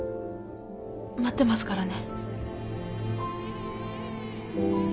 待ってますからね。